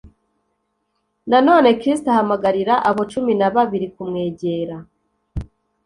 Na none Kristo ahamagarira abo cumi na babiri kumwegera